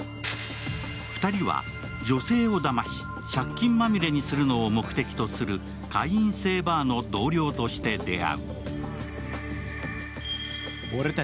２人は女性をだまし、借金まみれにするのを目的とする会員制バーの同僚として出会う。